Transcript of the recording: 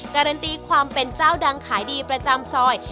การันตีความเป็นเจ้าดังขายดีประจำซอย